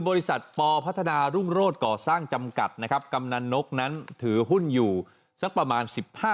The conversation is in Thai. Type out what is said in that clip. บริษัทปพัฒนารุ่งโรศก่อสร้างจำกัดนะครับกำนันนกนั้นถือหุ้นอยู่สักประมาณ๑๕